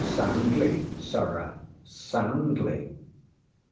ŌĆśSoundly, sirrah, soundly!